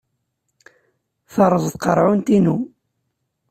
Terreẓ tqerɛunt-inu.